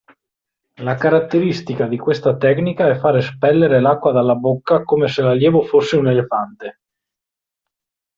La caratteristica di questa tecnica è far espellere l'acqua dalla bocca come se l'allievo fosse un elefante.